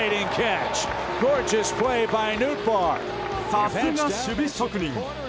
さすが守備職人。